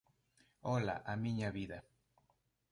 Ola, a miña vida.